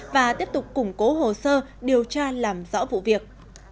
và tiếp tục củng cố hồ sơ điều tra làm rõ vụ việc